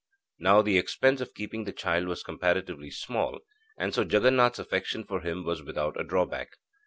Now, the expense of keeping the child was comparatively small, and so Jaganath's affection for him was without a drawback.